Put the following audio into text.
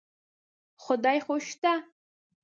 خدای خو شته.